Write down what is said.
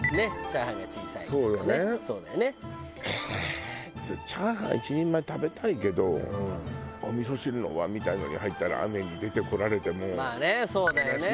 チャーハン１人前食べたいけどおみそ汁のおわんみたいなのに入ったラーメンに出てこられても悲しいわよね。